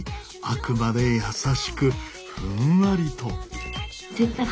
あくまで優しくふんわりと。